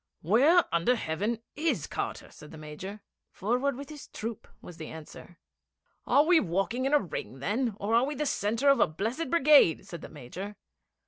'Where under heaven is Carter?' said the Major. 'Forward with his troop,' was the answer. 'Are we walking in a ring, then, or are we the centre of a blessed brigade?' said the Major.